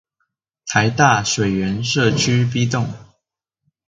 臺大水源舍區 B 棟